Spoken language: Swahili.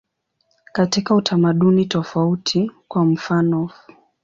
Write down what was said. Katika utamaduni tofauti, kwa mfanof.